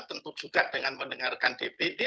tentu juga dengan mendengarkan dpd